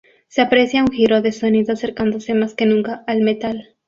Se aprecia un giro de sonido, acercándose más que nunca al Metal.